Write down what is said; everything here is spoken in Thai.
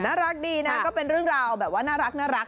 น่ารักดีน่ะก็เรื่องราวน่ารักน่ารัก